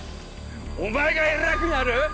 お前が偉くなる？